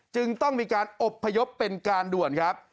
จึงต้องมีการอบพยพเป็นการด่วนครับ